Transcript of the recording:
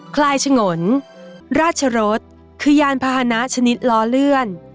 คลายฉงนราชรสคือยานพาหนะชนิดล้อเลื่อน